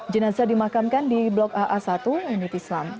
jenazah dimakamkan di blok aa satu unit islam